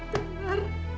tidak ada apa